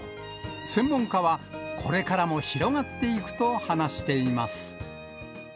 専門家は、これからも広がっていくと話しています。